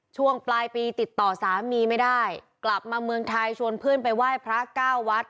ช่วงปลายปีติดต่อสามีไม่ได้กลับมาเมืองไทยชวนเพื่อนไปไหว้พระเก้าวัด